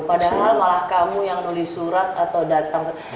padahal malah kamu yang nulis surat atau datang